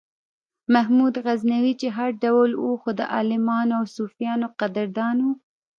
محمود غزنوي چې هر ډول و خو د عالمانو او صوفیانو قدردان و.